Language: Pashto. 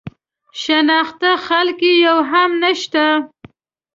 شناخته خلک یې یو هم نه شته.